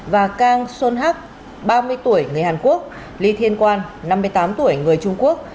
và kang son hak ba mươi tuổi người hàn quốc lee thiên quan năm mươi tám tuổi người trung quốc